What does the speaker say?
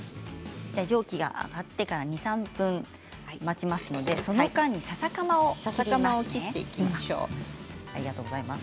蒸気が上がってから２、３分待ちますのでその間にささかまを切ります。